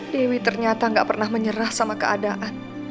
dewi ternyata gak pernah menyerah sama keadaan